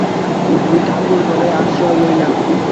আমি ঠাকুর-ঘরে আশ্রয় লইলাম।